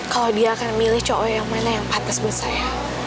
kalau dia akan milih cowok yang mana yang patah buat saya